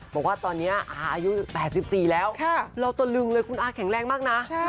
บอกว่าตอนนี้อายุ๘๔แล้วเราตะลึงเลยคุณอาแข็งแรงมากนะ